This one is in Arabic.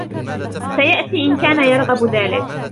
سيأتي إن كان يرغب ذلك.